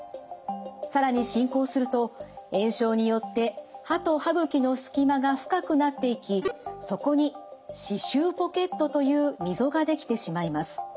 更に進行すると炎症によって歯と歯ぐきのすき間が深くなっていきそこに歯周ポケットという溝が出来てしまいます。